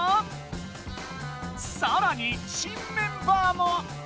さらに新メンバーも！